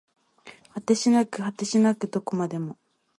果てしなく果てしなくどこまでも